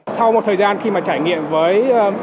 sau một thời gian khi mà trải nghiệm với